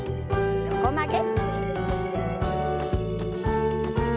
横曲げ。